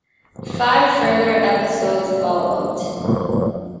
Five further episodes followed.